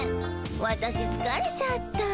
私つかれちゃった。